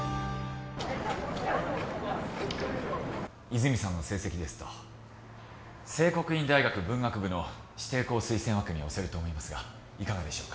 和泉さんの成績ですと清國院大学文学部の指定校推薦枠に推せると思いますがいかがでしょうか？